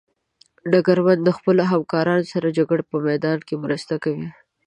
ډګرمن د خپلو همکارانو سره د جګړې په میدان کې مرسته کوي.